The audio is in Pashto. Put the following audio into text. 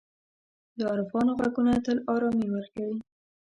د عارفانو ږغونه تل آرامي ورکوي.